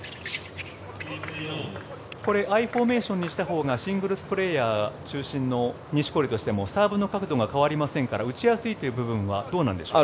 アイフォーメーションにしたほうがシングルスプレーヤー中心の錦織としてもサーブの角度が変わりませんから打ちやすさの部分ではどうでしょうか。